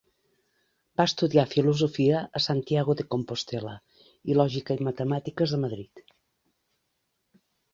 Va estudiar filosofia a Santiago de Compostel·la, i lògica i matemàtiques, a Madrid.